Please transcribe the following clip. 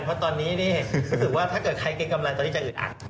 เพราะตอนนี้นี่รู้สึกว่าถ้าเกิดใครเกรงกำลังตอนนี้จะอึดอัด